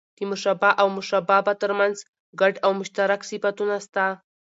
د مشبه او مشبه به؛ تر منځ ګډ او مشترک صفتونه سته.